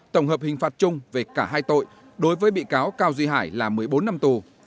tổng hợp hình phạt chung về cả hai tội đối với bị cáo cao duy hải là một mươi bốn năm tù